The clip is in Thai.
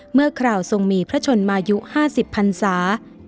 คราวทรงมีพระชนมายุ๕๐พันศา